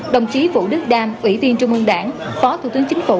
đồng chí vũ đức đam ủy viên trung ương đảng phó thủ tướng chính phủ